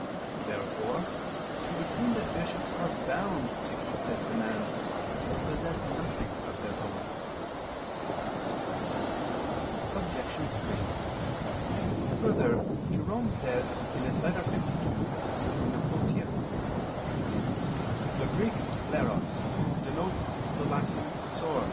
Therefore it would seem that bishops are bound to keep this command, and to possess nothing of their own. Obj. 3: Further, Jerome says (Ep. lii ad Nepotian.): "The Greek kleros denotes the Latin _sors.